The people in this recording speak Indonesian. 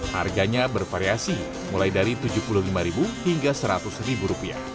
harganya bervariasi mulai dari rp tujuh puluh lima hingga rp seratus